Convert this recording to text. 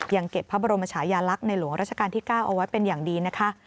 ยังเก็บพระบรมชายาลักษณ์ในหลวงราชการที่๙เอาไว้เป็นอย่างดีนะคะ